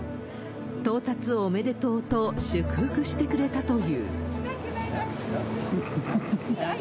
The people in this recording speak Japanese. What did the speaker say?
到達おめでとうと祝福してくれたという。